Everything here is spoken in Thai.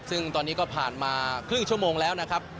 ซึ่งตอนนี้ก็ผ่านมาครึ่งชั่วโมงแล้วนะครับ